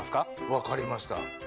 分かりました。